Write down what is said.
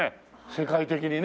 世界的にね。